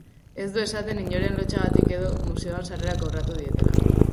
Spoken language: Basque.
Ez du esaten, inoren lotsagatik edo, museoan sarrera kobratu dietela.